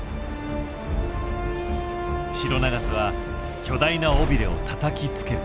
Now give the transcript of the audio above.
シロナガスは巨大な尾びれをたたきつける。